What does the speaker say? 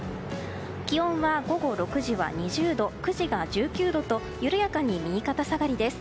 気温は午後６時は２０度９時が１９度と緩やかに右肩下がりです。